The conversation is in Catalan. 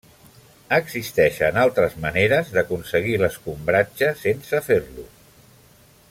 Existeixen altres maneres d'aconseguir l'escombratge sense fer-lo.